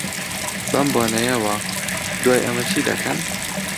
بەم بۆنەیەوە، دوای ئەمە چی دەکەن؟